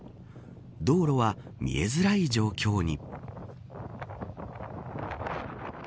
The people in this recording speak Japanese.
道路は見えづらい状況に。